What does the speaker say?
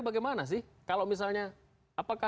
bagaimana sih kalau misalnya apakah